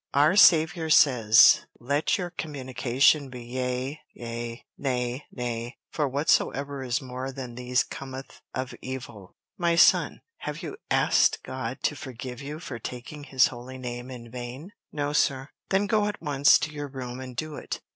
Our Saviour says, 'Let your communication be Yea, yea, Nay, nay, for whatsoever is more than these cometh of evil.' My son, have you asked God to forgive you for taking His holy name in vain?" "No, sir." "Then go at once to your room and do it."